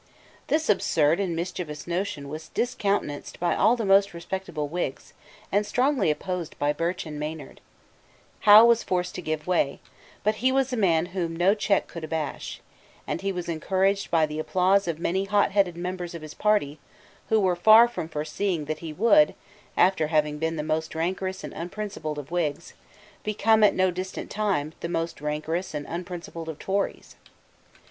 This absurd and mischievous motion was discountenanced by all the most respectable Whigs, and strongly opposed by Birch and Maynard, Howe was forced to give way: but he was a man whom no check could abash; and he was encouraged by the applause of many hotheaded members of his party, who were far from foreseeing that he would, after having been the most rancorous and unprincipled of Whigs, become, at no distant time, the most rancorous and unprincipled of Tories.